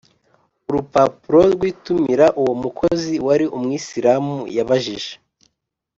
Urupapuro rw itumira uwo mukozi wari umwisilamu yabajije